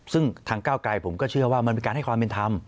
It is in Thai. ซึ่งทางก้าวไกลผมก็เชื่อว่ามันเป็นการให้ความเป็นธรรม